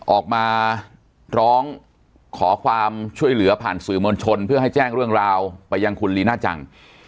ออกมาร้องขอความช่วยเหลือผ่านสื่อมวลชนเพื่อให้แจ้งเรื่องราวไปยังคุณลีน่าจัง